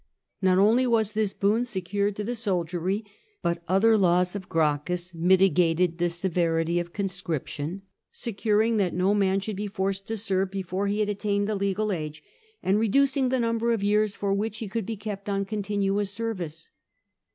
Not only was this boon secured to the soldiery, but other laws of Gracchus mitigated the severity of the conscription, secur ing that no man should be forced to serve before he had CAIUS AND THE EQUITES 63 attained the legal age, and reducing the number of years for which he could be kept on continuous service.